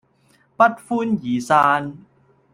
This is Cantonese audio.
不歡而散